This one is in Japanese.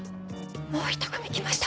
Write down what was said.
もうひと組来ました。